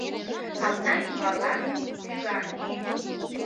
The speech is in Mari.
Капна ӱмбалан тӱганыш.